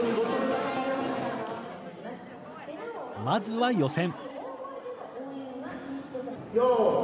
まずは予選。